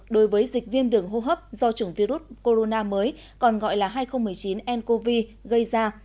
đối với dịch viêm đường hô hấp do chủng virus corona mới còn gọi là hai nghìn một mươi chín ncov gây ra